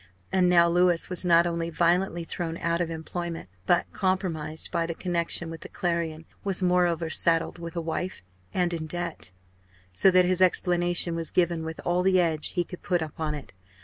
And now Louis was not only violently thrown out of employment, but compromised by the connection with the Clarion; was, moreover, saddled with a wife and in debt. So that his explanation was given with all the edge he could put upon it.